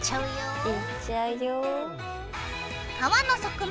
はい。